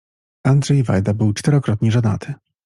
Andrzej Wajda był czterokrotnie żonaty.